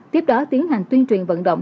tiếp đó tiến hành tuyên truyền vận động